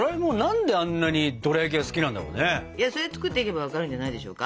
それは作っていけば分かるんじゃないでしょうか。